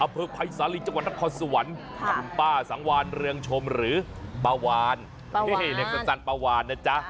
อเผิกไพรสาลีจังหวัดนครสวรรค์คุณป้าสังวานเรียงชมหรือป้าวาน